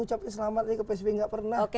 ucapkan selamat ke psb tidak pernah